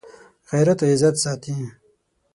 غیرت عزت ساتي